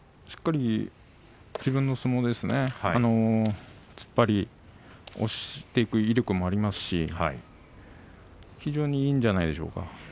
しっかり自分の相撲突っ張り押していく威力もありますし非常にいいんじゃないでしょうか。